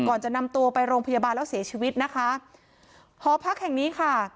ก่อนจะนำตัวไปโรงพยาบาลแล้วเสียชีวิตนะคะหอพักแห่งนี้ค่ะ